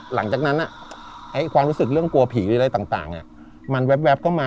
หลังจากนั้นความรู้สึกเรื่องกลัวผีหรืออะไรต่างมันแว๊บเข้ามา